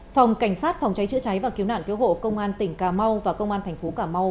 phòng cảnh sát phòng cháy chữa cháy và cứu nạn cứu hộ công an tỉnh cà mau và công an thành phố cà mau